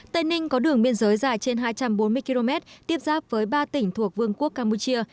tây ninh có đường biên giới dài trên hai trăm bốn mươi km tiếp giáp với ba tỉnh thuộc vương quốc campuchia